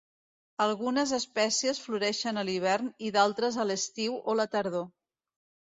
Algunes espècies floreixen a l'hivern i d'altres a l'estiu o tardor.